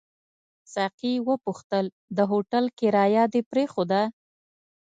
ساقي وپوښتل: د هوټل کرایه دې پرېښوده؟